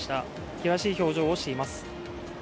険しい表情をしています。